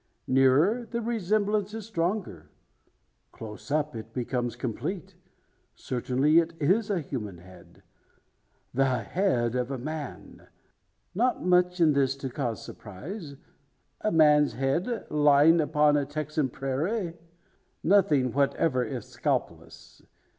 Nearer, the resemblance is stronger. Close up, it becomes complete. Certainly, it is a human head the head of a man! Not much in this to cause surprise a man's head lying upon a Texan prairie! Nothing, whatever, if scalpless.